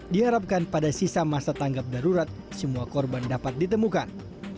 diharapkan pada sisa masa tanggap darurat semua korban dapat ditemukan